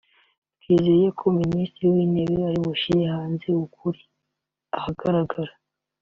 Twizeye ko Minisitiri w’Intebe aribushyire ukuri ahagaragara